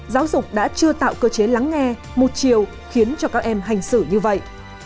giáo dục đã chưa tạo cơ chế lắng nghe một chiều khiến cho các em hành xử như vậy